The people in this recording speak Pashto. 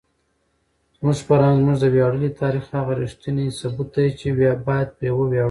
زموږ فرهنګ زموږ د ویاړلي تاریخ هغه ریښتونی ثبوت دی چې باید پرې وویاړو.